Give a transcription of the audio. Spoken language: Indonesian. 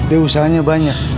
ya usahanya banyak